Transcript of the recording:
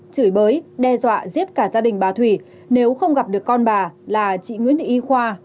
chửi bới đe dọa giết cả gia đình bà thủy nếu không gặp được con bà là chị nguyễn thị y khoa